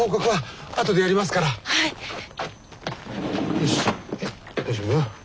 よし大丈夫？